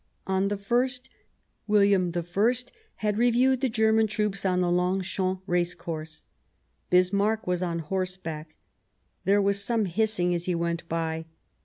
On the ist William I had reviewed the German troops on the Longchamps race course. Bismarck was on horseback ; there was some hissing as he went by.